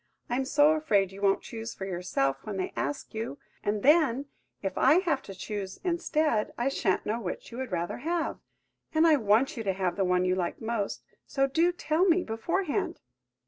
I'm so afraid you won't choose for yourself when they ask you, and then, if I have to choose instead, I shan't know which you would rather have! And I want you to have the one you like most–so do tell me beforehand!"